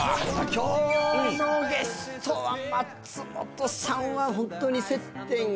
今日のゲストは松本さんはホントに接点が。